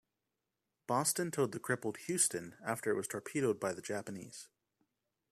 "Boston" towed the crippled "Houston" after it was torpedoed by the Japanese.